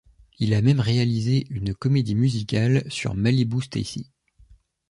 Il a même réalisé une comédie musicale sur Malibu Stacy.